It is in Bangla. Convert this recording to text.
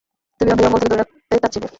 তুমি আমাকে জঙ্গল থেকে দূরে রাখতে চাচ্ছিলে।